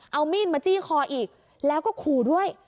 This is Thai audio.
เอามีดมาจี้คออีกแล้วก็ขู่ด้วย